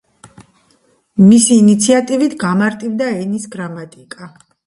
მისი ინიციატივით გამარტივდა ენის გრამატიკა.